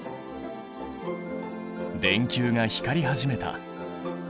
電球が光り始めた。